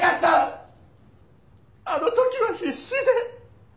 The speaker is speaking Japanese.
あの時は必死で！